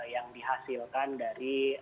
yang dihasilkan dari